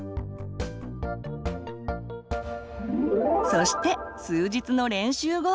そして数日の練習後。